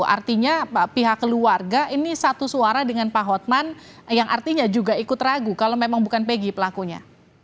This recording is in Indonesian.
artinya pihak keluarga ini satu suara dengan pak hotman yang artinya juga ikut ragu kalau memang bukan pegi pelakunya